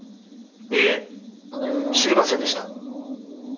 いいえ知りませんでした。